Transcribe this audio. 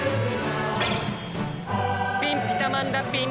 ピンピタマンだピン！